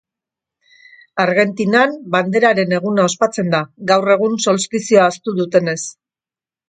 Argentinan banderaren eguna ospatzen da, gaur egun solstizioa ahaztu dutenez.